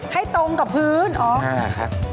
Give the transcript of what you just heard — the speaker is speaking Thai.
ให้ตรงกับพื้นอ๋อครับ